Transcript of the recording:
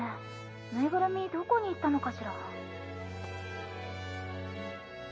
縫いぐるみどこに行ったのかしら？